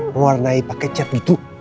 mewarnai pake cat gitu